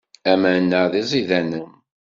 Aman-a d iẓidanen.